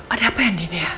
ada apa ya din ya